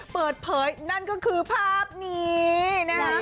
เปิดเผยนั่นก็คือภาพนี้นะฮะ